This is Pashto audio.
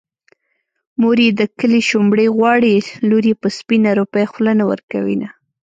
مور يې د کلي شومړې غواړي لور يې په سپينه روپۍ خوله نه ورکوينه